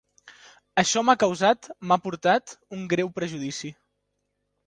Això m'ha causat, m'ha portat, un greu perjudici.